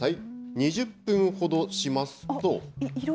２０分ほどしますと。